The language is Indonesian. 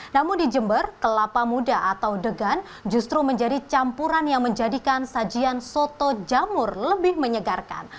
namun di jember kelapa muda atau degan justru menjadi campuran yang menjadikan sajian soto jamur lebih menyegarkan